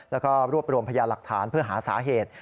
แล้วก็รวบรวมพยาหลักฐานเพื่อหาสาเหตุ